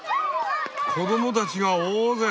子どもたちが大勢！